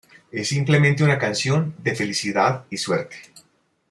Es simplemente una canción de felicidad y suerte.